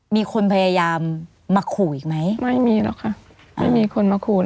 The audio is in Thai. มีคนพยายามมาขู่อีกไหม